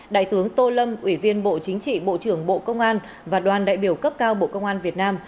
đại tướng tô lâm ủy viên bộ chính trị bộ trưởng bộ công an và đoàn đại biểu cấp cao bộ công an việt nam